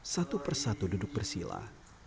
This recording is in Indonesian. satu persatu duduk bersilah